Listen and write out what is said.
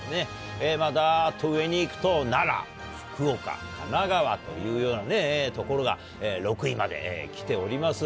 まだあと上にいくと、奈良、福岡、神奈川というような所が６位まで来ております。